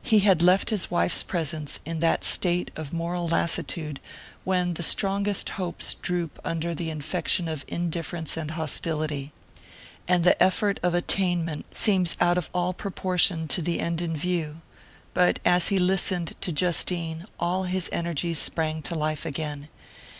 He had left his wife's presence in that state of moral lassitude when the strongest hopes droop under the infection of indifference and hostility, and the effort of attainment seems out of all proportion to the end in view; but as he listened to Justine all his energies sprang to life again.